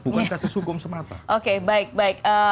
bukan kasus hukum semata